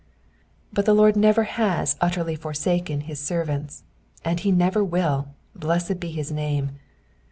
But the Lord never has utterly forsaken his servants, and he never will, blessed be his name.